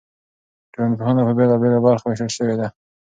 ټولنپوهنه په بېلابېلو برخو ویشل شوې ده.